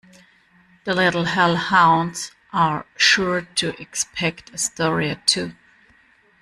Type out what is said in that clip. The little hell hounds are sure to expect a story or two.